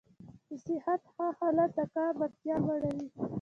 د صحت ښه حالت د کار وړتیا لوړوي.